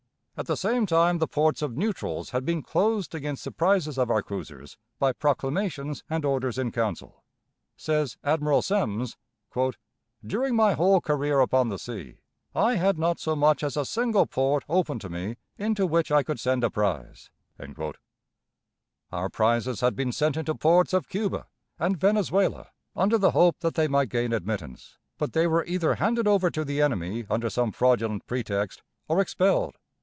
At the same time the ports of neutrals had been closed against the prizes of our cruisers by proclamations and orders in council. Says Admiral Semmes: "During my whole career upon the sea, I had not so much as a single port open to me, into which I could send a prize." Our prizes had been sent into ports of Cuba and Venezuela under the hope that they might gain admittance, but they were either handed over to the enemy under some fraudulent pretext, or expelled.